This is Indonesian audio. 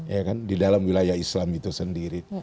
ya kan di dalam wilayah islam itu sendiri